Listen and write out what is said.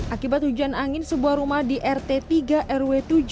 akibat hujan angin sebuah rumah di rt tiga rw tujuh